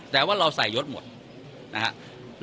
แต่ว่าเราใส่ยศหมดนะครับ